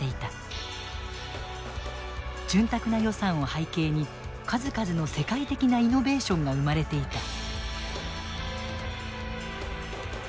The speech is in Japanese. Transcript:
潤沢な予算を背景に数々の世界的なイノベーションが生まれていた。